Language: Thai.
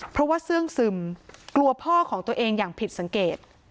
เพราะว่าเสื้องซึมกลัวพ่อของตัวเองอย่างผิดสังเกต